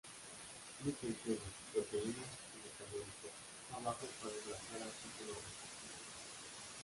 Clic en genes, proteínas y metabolitos abajo para enlazar a artículos respectivos.